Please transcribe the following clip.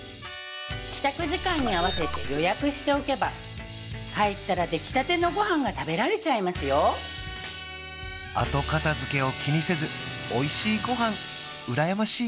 帰宅時間にあわせて予約しておけば帰ったらできたてのごはんが食べられちゃいますよ後片付けを気にせずおいしいごはんうらやましい